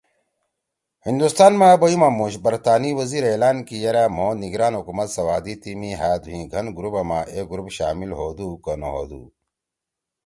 ہندوستان ما بیُوا مُوش برطانی وزیرے اعلان کی یرأ مھو نگران حکومت سوا دی تیِمی ہأ دُھوئں گھن گروپا ما اے گروپ شامل ہودُو کو نہ ہودُو